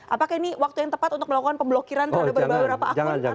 apakah ini waktu yang tepat untuk melakukan pemblokiran terhadap beberapa akun